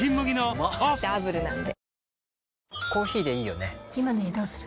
うまダブルなんで